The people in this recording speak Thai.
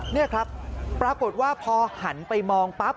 นี่ครับปรากฏว่าพอหันไปมองปั๊บ